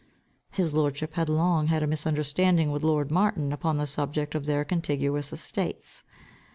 His lordship had long had a misunderstanding with lord Martin upon the subject of their contiguous estates.